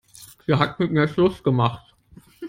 Sie hat mit mir Schluss gemacht.